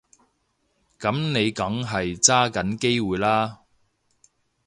噉你梗係揸緊機會啦